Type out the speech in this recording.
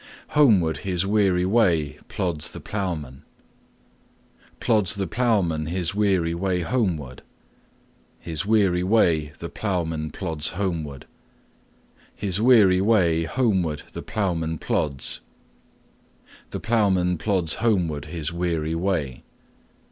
Homeward his weary way plods the ploughman. Plods the ploughman his weary way homeward. His weary way the ploughman plods homeward. His weary way homeward the ploughman plods. The ploughman plods homeward his weary way.